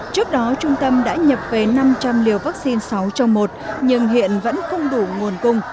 trước đó trung tâm đã nhập về năm trăm linh liều vaccine sáu trong một nhưng hiện vẫn không đủ nguồn cung